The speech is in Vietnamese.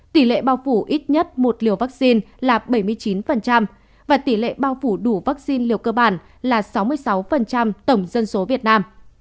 tỷ lệ bao phủ ít nhất một liều vaccine là bảy mươi chín và tỷ lệ bao phủ đủ vaccine liều cơ bản là sáu mươi sáu tổng dân số việt nam